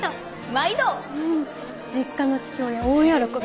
毎度！実家の父親大喜び。